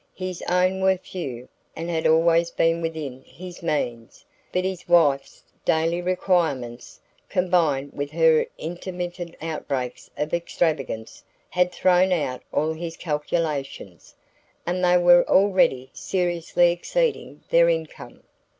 His own were few, and had always been within his means; but his wife's daily requirements, combined with her intermittent outbreaks of extravagance, had thrown out all his calculations, and they were already seriously exceeding their income.